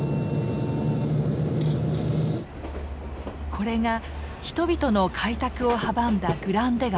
これが人々の開拓を阻んだグランデ川。